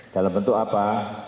dalam bentuk apa